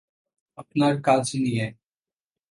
আপনার কাজ নিয়ে।